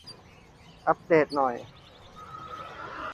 อัปเดตหน่อย